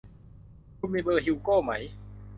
คุณมีเบอร์ฮิวโก้ไหม